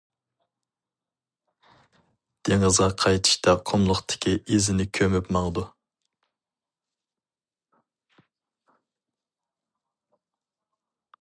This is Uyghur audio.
دېڭىزغا قايتىشتا قۇملۇقتىكى ئىزىنى كۆمۈپ ماڭىدۇ.